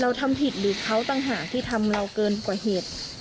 ทำผิดหรือเขาต่างหากที่ทำเราเกินกว่าเหตุ